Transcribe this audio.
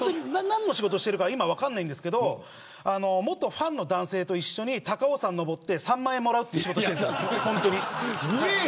何の仕事してるか今、分からないんですが元ファンの男性と一緒に高尾山に登って３万円もらうって仕事してるんです、本当に。